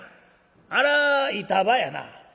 「あら板場やな」。